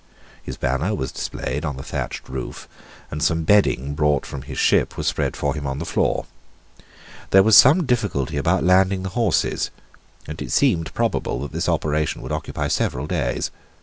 His banner was displayed on the thatched roof; and some bedding brought from his ship was spread for him on the floor. There was some difficulty about landing the horses; and it seemed probable that this operation would occupy several days.